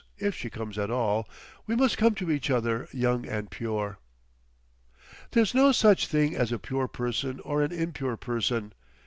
If she comes at all.... We must come to each other young and pure." "There's no such thing as a pure person or an impure person....